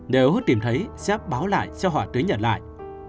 nếu hứa tìm thấy sẽ báo lại cho họ tới nhận lại